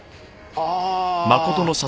ああ。